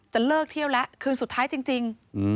เลิกเที่ยวแล้วคืนสุดท้ายจริง